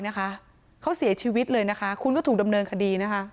นะคะเขาเสียชีวิตเลยนะคะคุณก็ถูกดำเนินคดีนะคะ